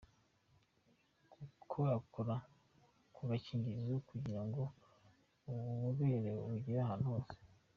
Gukorakora ku gakingirizo kugira ngo ububobere bugere ahantu hose.